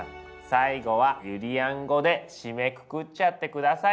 最後はゆりやん語で締めくくっちゃって下さい！